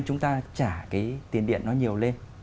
chúng ta trả cái tiền điện nó nhiều lên